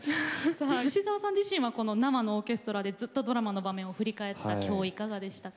さあ吉沢さん自身はこの生のオーケストラでずっとドラマの場面を振り返った今日はいかがでしたか？